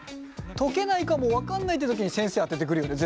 解けないかも分かんないってときに先生当ててくるよね